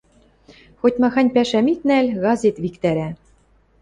Хоть-махань пӓшӓм ит нӓл — газет виктӓрӓ...